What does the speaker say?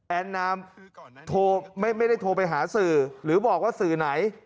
แอนนามไม่ได้โทรไปหาสื่อหรือบอกว่าสื่อไหน